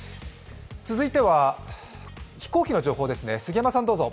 続いては飛行機の情報ですね。